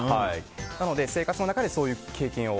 なので生活の中でそういう経験を。